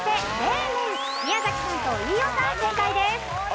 宮崎さんと飯尾さん正解です。